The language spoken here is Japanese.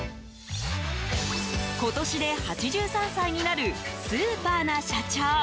今年で８３歳になるスーパーな社長。